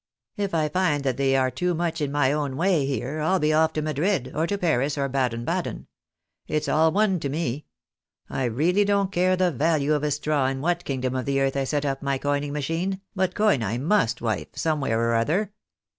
If I find that they are too much in my own way here, I'U be off to Madrid, or to Paris, or Baden Baden. It's all one to me. I really don't care the value of a straw in what kingdom of the earth I set up my coining machine, but coin I must, wife, somewhere or other.